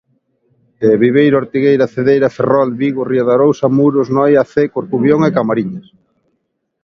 Viveiro, Ortigueira, Cedeira, Ferrol, Vigo, ría de Arousa, Muros-Noia, Cee, Corcubión, Camariñas...